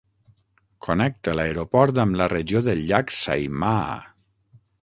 Connecta l'aeroport amb la regió del Llac Saimaa.